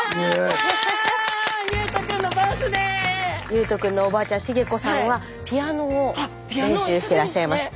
ゆうと君のおばあちゃん茂子さんはピアノを練習してらっしゃいます。